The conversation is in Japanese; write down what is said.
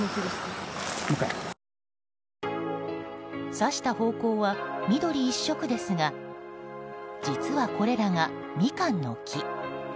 指した方向は緑一色ですが実はこれらがミカンの木。